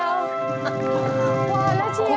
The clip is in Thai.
หว่าแล้วเชียว